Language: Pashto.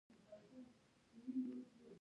خدايي امکانات هېڅ حد نه لري.